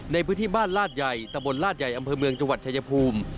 ในพื้นที่บ้านลาดใหญ่ตะบนลาดใหญ่อำเภอเมืองจังหวัดชายภูมิ